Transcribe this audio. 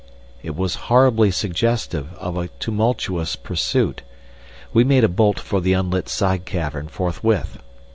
It was horribly suggestive of a tumultuous pursuit. We made a bolt for the unlit side cavern forthwith.